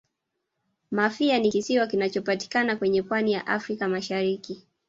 mafia ni kisiwa kinachopatikana kwenye pwani ya africa mashariki